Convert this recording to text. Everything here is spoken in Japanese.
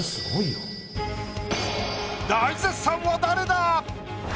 大絶賛は誰だ